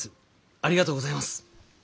ありがとうございます。